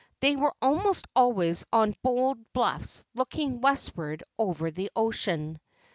They were almost always on bold bluffs looking westward over the ocean.